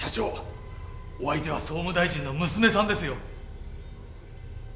お相手は総務大臣の娘さんですよ。